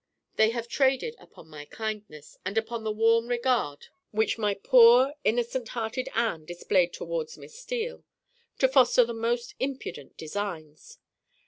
They have traded upon my kindness, and upon the warm regard which my poor innocent hearted Anne displayed towards Miss Steele, to foster the most impudent designs.